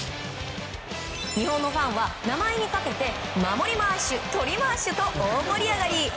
日本のファンは名前にかけて守りマーシュ捕りマーシュと大盛り上がり。